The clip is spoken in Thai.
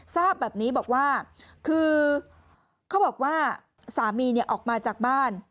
ทราบแบบนี้บอกว่าคือเขาบอกว่าสามีออกมาจากบ้าน